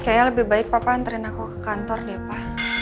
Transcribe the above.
kayaknya lebih baik papa anterin aku ke kantor deh pa